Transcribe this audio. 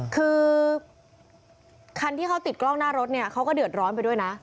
คือคันที่เขาติดกล้องหน้ารถเนี่ยเขาก็เดือดร้อนไปด้วยนะ